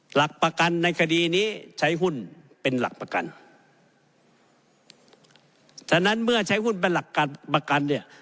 หลักประกันในคดีนี้ใช้หุ้นเป็นหลักประกันฉะนั้นเมื่อใช้หุ้นเป็นหลักการประกันเนี่ย